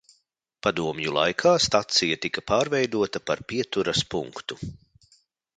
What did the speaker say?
Padomju laikā stacija tika pārveidota par pieturas punktu.